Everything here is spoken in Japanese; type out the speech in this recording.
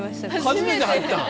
初めて入ったん？